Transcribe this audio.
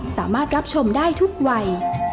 สามารถรับชมได้ทุกวัย